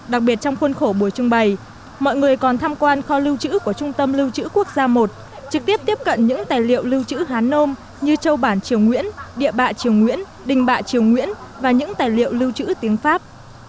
đặc biệt trong khuôn khổ buổi trưng bày mọi người còn tham quan kho lưu trữ của trung tâm lưu trữ quốc gia i trực tiếp tiếp cận những tài liệu lưu trữ hán nôm như châu bản triều nguyễn địa bạ triều nguyễn đình bạ triều nguyễn và những tài liệu lưu trữ tiếng pháp